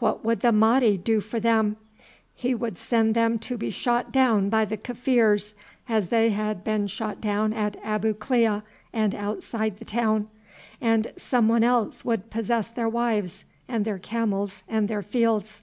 What would the Mahdi do for them? He would send them to be shot down by the Kaffirs, as they had been shot down at Abu Klea and outside the town, and someone else would possess their wives and their camels and their fields.